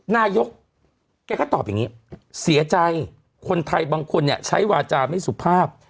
นายกลบก็ตอบแบบนี้เสียใจคนไทยบางคนใช้วาจาไม่สุภาพ